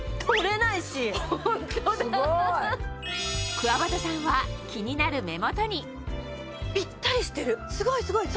くわばたさんは気になる目元にすごいすごい。